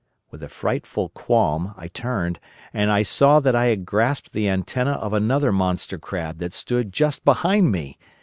With a frightful qualm, I turned, and I saw that I had grasped the antenna of another monster crab that stood just behind me.